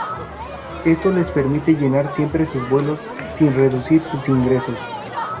Esto les permite llenar siempre sus vuelos, sin reducir sus ingresos.